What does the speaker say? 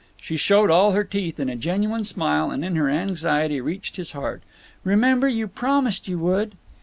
She showed all her teeth in a genuine smile, and in her anxiety reached his heart. "Remember, you promised you would."